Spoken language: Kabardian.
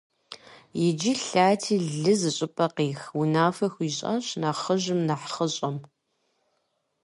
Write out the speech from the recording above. Иджы лъати лы зыщӀыпӀэ къих, - унафэ хуищӀащ нэхъыжьым нэхъыщӀэм.